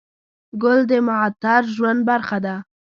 ګل د معطر ژوند برخه ده.